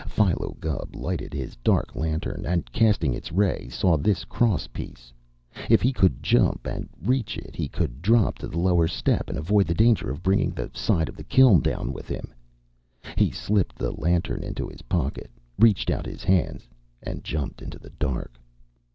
Philo Gubb lighted his dark lantern, and casting its ray, saw this cross piece. If he could jump and reach it he could drop to the lower step and avoid the danger of bringing the side of the kiln down with him. He slipped the lantern into his pocket, reached out his hands, and jumped into the dark.